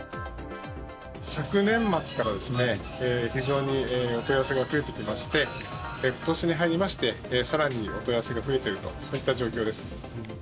昨年末からですね、非常にお問い合わせが増えてきまして、ことしに入りまして、さらにお問い合わせが増えていると、そういった状況です。